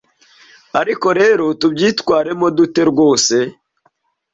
Ariko rero tubyitwaremo dute rwose